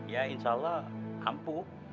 ya insya allah ampuh